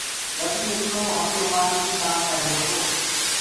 رويٚ ايڪلو هونٚدي هوآدي ڪآم ڪرريهرو تو